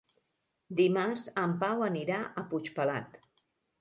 Dimarts en Pau anirà a Puigpelat.